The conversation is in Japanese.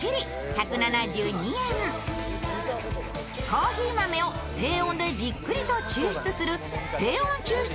コーヒー豆を低温でじっくりと抽出する低温抽出